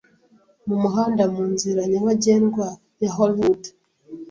mumuhanda munzira nyabagendwa ya Hollywood